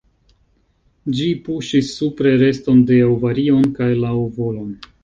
Ĝi puŝis supre reston de ovarion kaj la ovolon.